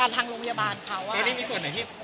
ทางโรงพยาบาลค่ะว่าอะไรอย่างนี้